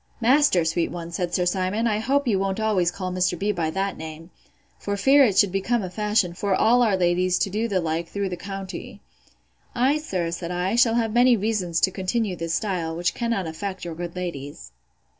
Master, sweet one! said Sir Simon, I hope you won't always call Mr. B—— by that name, for fear it should become a fashion for all our ladies to do the like through the county. I, sir, said I, shall have many reasons to continue this style, which cannot affect your good ladies.